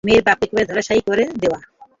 মেয়ের বাপকে একেবারে ধরাশায়ী করে দেওয়া।